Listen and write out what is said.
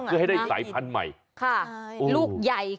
คือให้ได้สายพันธุ์ใหม่